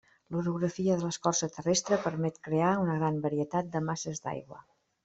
L'orografia de l'escorça terrestre permet crear una gran varietat de masses d'aigua.